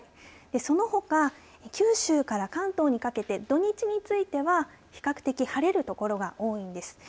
そのほか九州から関東にかけて土日については比較的晴れるところが多いんです。